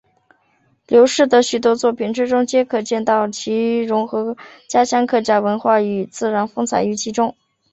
刘氏的许多作品之中皆可见到其融合家乡客家文化与自然风采于其中。